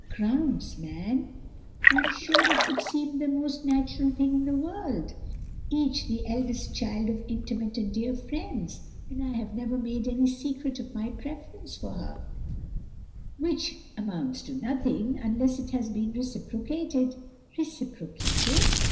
"Grounds, man! I'm sure it would seem the most natural thing in the world each the eldest child of intimate and dear friends and I have never made any secret of my preference for her " "Which amounts to nothing unless it had been reciprocated." "Reciprocated!